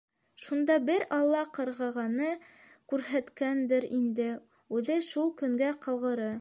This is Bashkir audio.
Шунда бер алла ҡарғағаны күрһәткәндер инде, үҙе шул көнгә ҡалғыры...